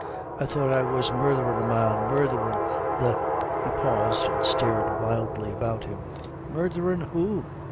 I thought I was murdherin' a man; murdherin' the" he paused, and stared wildly about him. "Murdherin' who?"